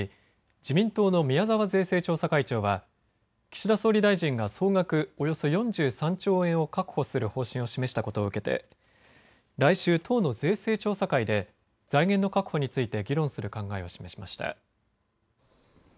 自民党の宮沢税制調査会長は岸田総理大臣が総額およそ４３兆円を確保する方針を示したことを受けて来週、党の税制調査会で財源の確保について議論する考えを示しました。